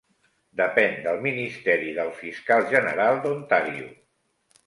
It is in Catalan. Depèn del Ministeri del Fiscal General d'Ontario.